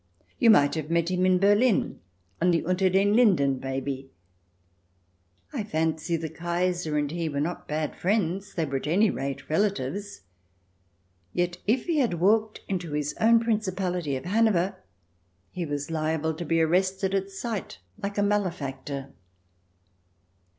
You might have met him in Berlin — on the Unter den Linden, maybe. I fancy the Kaiser and he were not bad friends ; they were, at any rate, relatives. Yet if he had walked into his own principality of Hanover, he was liable to be arrested at sight like a malefactor.